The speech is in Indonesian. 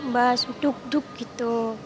bas duk duk gitu